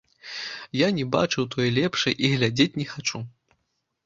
Я не бачыў той лепшай і глядзець не хачу.